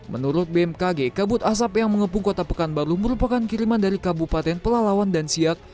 menurut bmkg kabut asap yang mengepung kota pekanbaru merupakan kiriman dari kabupaten pelalawan dan siak